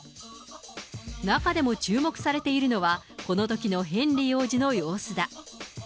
中でも注目されているのは、このときのヘンリー王子の様子だ。